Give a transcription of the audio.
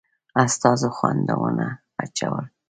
استازو خنډونه اچول.